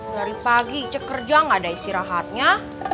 dari pagi kerja nggak ada istirahatnya